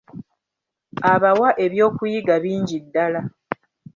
Abawa ebyokuyiga bingi ddala.